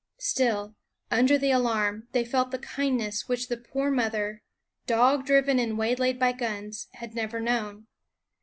Still, under the alarm, they felt the kindness which the poor mother, dog driven and waylaid by guns, had never known.